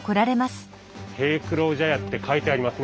「平九郎茶屋」って書いてありますね。